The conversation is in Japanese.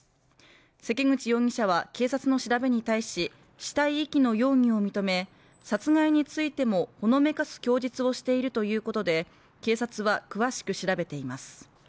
関口容疑者は警察の調べに対し死体遺棄の容疑を認め殺害についてもほのめかす供述をしているということで警察は詳しく調べています